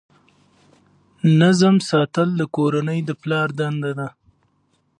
نظم ساتل د کورنۍ د پلار دنده ده.